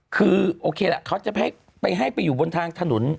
คือโอเคล่ะเขาจะไปให้ไปอยู่บนทางถนน